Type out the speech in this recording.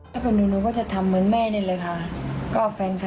ถ้าแม่บอกฉันก็ไม่มาแจ้ง